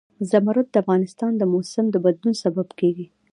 زمرد د افغانستان د موسم د بدلون سبب کېږي.